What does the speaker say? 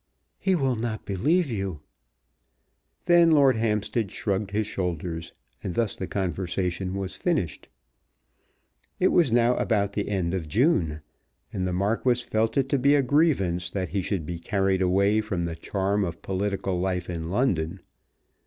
"He will not believe you." Then Lord Hampstead shrugged his shoulders, and thus the conversation was finished. It was now about the end of June, and the Marquis felt it to be a grievance that he should be carried away from the charm of political life in London.